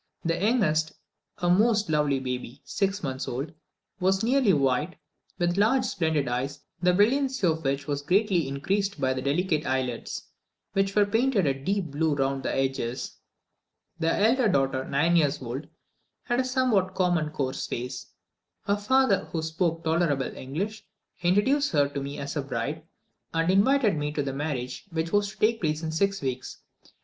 The youngest, a most lovely baby six months old, was nearly white, with large splendid eyes, the brilliancy of which was greatly increased by the delicate eyelids, which were painted a deep blue round the edges. The elder daughter, nine years old, had a somewhat common coarse face. Her father, who spoke tolerable English, introduced her to me as a bride, and invited me to the marriage which was to take place in six weeks.